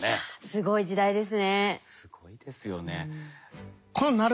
すごいですよね。